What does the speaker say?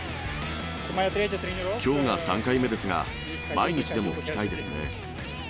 きょうが３回目ですが、毎日でも来たいですね。